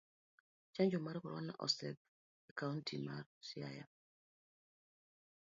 Chanjo mar korona osidh e kaunti ma siaya.